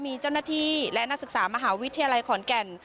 มีเจ้าหน้าที่และนักศึกษามหาวิทยาลัยขอนแก่น